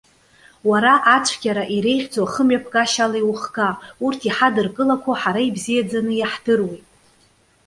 Уара, ацәгьара, иреиӷьӡоу ахымҩаԥгашьала иухга. Урҭ иҳадыркылақәо ҳара ибзиаӡаны иаҳдыруеит.